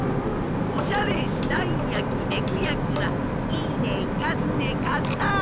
おしゃれしたいやきレグやきはいいねいかすねカスタード！